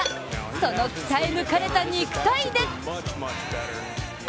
その鍛え抜かれた肉体。